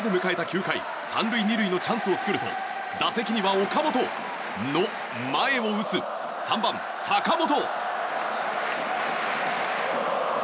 ９回３塁２塁のチャンスを作ると打席には岡本の前を打つ３番、坂本。